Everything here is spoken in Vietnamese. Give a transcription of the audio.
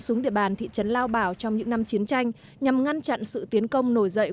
xuống địa bàn thị trấn lao bảo trong những năm chiến tranh nhằm ngăn chặn sự tiến công nổi dậy